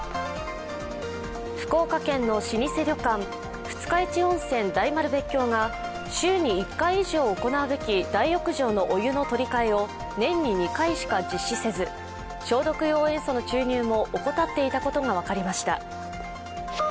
福岡県の老舗旅館、二日市温泉・大丸別荘が週に１回以上行うべき大浴場のお湯の取り換えを年に２回しか実施せず消毒用塩素の注入も怠っていたことが分かりました。